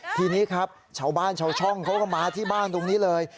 ทีนี้ครับชาวบ้านชาวช่องเขาก็มาที่บ้านตรงนี้เลย